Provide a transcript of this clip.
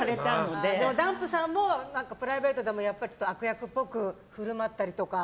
でも、ダンプさんもプライベートでも悪役っぽく振る舞ったりとか？